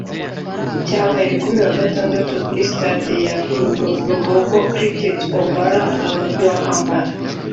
cyabaye kuri uyu wa Gatanu kuri Stade ya Lugogo Cricket Oval mu Mujyi wa Kampala